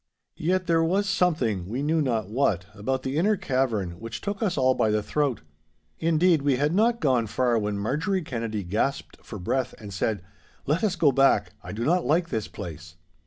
Yet there was something—we knew not what—about the inner cavern which took us all by the throat. Indeed, we had not gone far when Marjorie Kennedy gasped for breath and said, 'Let us go back! I do not like the place!